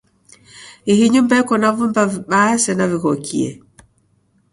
Ihi nyumba yeko na vumba vibaa sena vighokie.